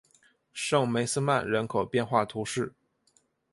圣梅斯曼人口变化图示